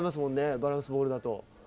バランスボールだと。